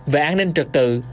về an ninh trật tự